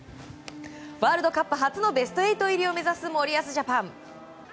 ワールドカップ初のベスト８入りを目指す森保ジャパン。